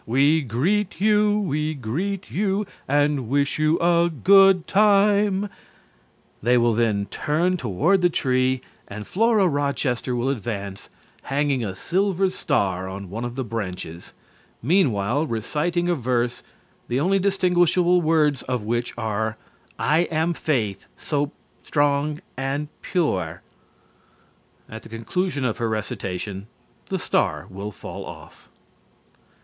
We greet you, we greet you, And wish you a good time." They will then turn toward the tree and Flora Rochester will advance, hanging a silver star on one of the branches, meanwhile reciting a verse, the only distinguishable words of which are: "I am Faith so strong and pure " At the conclusion of her recitation, the star will fall off.